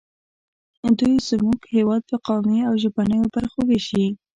دوی زموږ هېواد په قومي او ژبنیو برخو ویشي